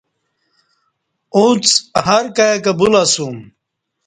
اُݩڅ ہر کائی کو بلہ اسوم